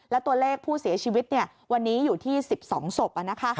และตัวเลขผู้เสียชีวิตวันนี้อยู่ที่๑๒ศพ